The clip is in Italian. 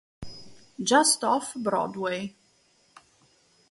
Just Off Broadway